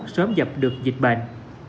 sớm dập được dịch bệnh